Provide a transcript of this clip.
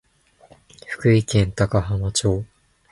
福井県高浜町